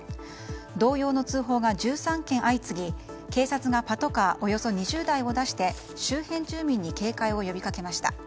同様の通報が１３件相次ぎ警察がパトカーおよそ２０台を出して周辺住民に警戒を呼びかけました。